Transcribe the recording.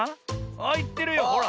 あっいってるよほら。